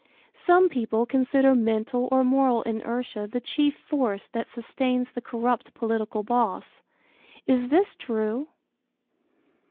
Some people consider mental or moral inertia the chief force that sustains the corrupt political boss. Is this true?